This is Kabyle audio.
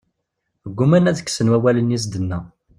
Ggumaan ad kksen wawalen i as-d-yenna.